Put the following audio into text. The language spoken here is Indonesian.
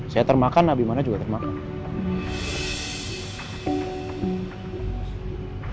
saya termakan abimana juga termakan